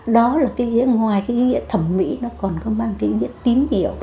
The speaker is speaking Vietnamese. đó là cái ý ngoài cái ý nghĩa thẩm mỹ nó còn có mang cái ý nghĩa tín hiệu